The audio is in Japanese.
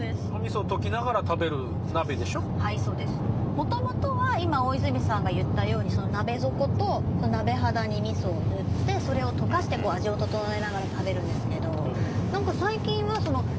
もともとは今大泉さんが言ったようにその鍋底と鍋肌にみそを塗ってそれを溶かして味を調えながら食べるんですけど何か。